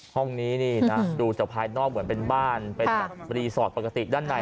ห้องนี้นี่นะดูจากภายนอกเหมือนเป็นบ้านเป็นแบบรีสอร์ทปกติด้านใน